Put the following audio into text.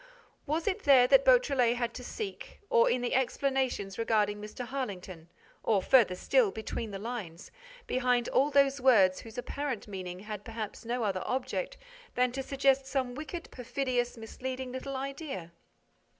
Was it there that Beautrelet had to seek, or in the explanations regarding Mr. Harlington, or further still, between the lines, behind all those words whose apparent meaning had perhaps no other object than to suggest some wicked, perfidious, misleading little idea?